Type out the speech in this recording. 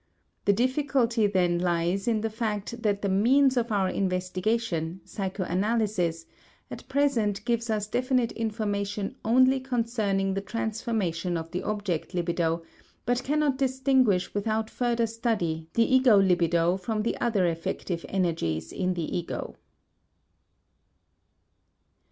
The difficulty then lies in the fact that the means of our investigation, psychoanalysis, at present gives us definite information only concerning the transformation of the object libido, but cannot distinguish without further study the ego libido from the other effective energies in the ego.